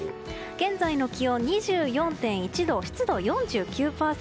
現在の気温、２４．１度湿度４９％。